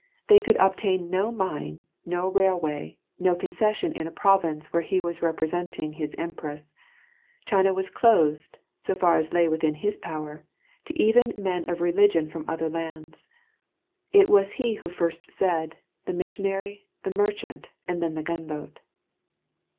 They could obtain no mine, no railway, no concession in a province where he was representing his Empress. China was closed, so far as lay within his power, to even men of religion from other lands. It was he who first said, "The missionary, the merchant, and then the gunboat."